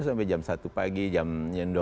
sampai jam satu pagi jam dua belas